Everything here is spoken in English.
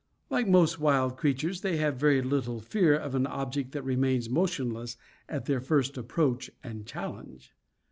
Like most wild creatures, they have very little fear of an object that remains motionless at their first approach and challenge.